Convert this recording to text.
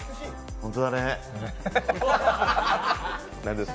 本当だね。